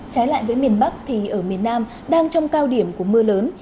trái lại với miền bắc thì ở miền nam đang trong cao điểm của mưa lớn